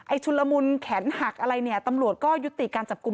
ชุนละมุนแขนหักอะไรเนี่ยตำรวจก็ยุติการจับกลุ่ม